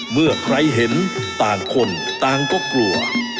เมื่อใครเห็นต่างคนต่างก็กลัว